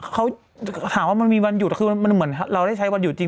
เขาหาว่ามันมีวันหยุดคือมันเหมือนเราได้ใช้วันหยุดจริง